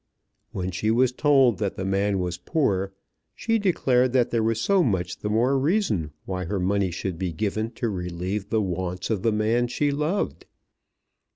When she was told that the man was poor, she declared that there was so much the more reason why her money should be given to relieve the wants of the man she loved.